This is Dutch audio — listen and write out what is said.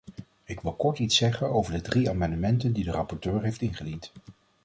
Ik wil kort iets zeggen over de drie amendementen die de rapporteur heeft ingediend.